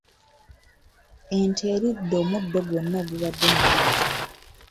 Ente eridde omuddo gwonna ogubadde mu luggya.